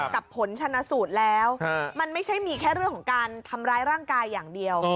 ผลชนะสูตรแล้วมันไม่ใช่มีแค่เรื่องของการทำร้ายร่างกายอย่างเดียว